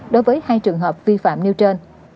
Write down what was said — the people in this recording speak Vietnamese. đối với hai trường hợp vi phạm nêu trên